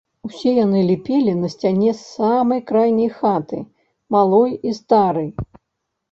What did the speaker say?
Усе яны ліпелі на сцяне самай крайняй хаты, малой і старой.